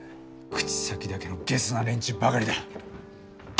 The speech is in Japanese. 口先だけのゲスな連中ばかりだ。